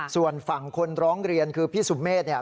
ส่วนฝั่งคนร้องเรียนคือพี่สุเมฆเนี่ย